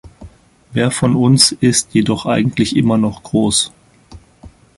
Wer von uns ist jedoch eigentlich immer noch groß?